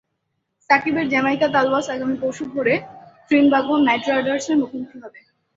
সাকিবের Jamaica Tallawahs আগামী পরশু ভোরে ত্রিনবাগো নাইট রাইডার্সের মুখোমুখি হবে।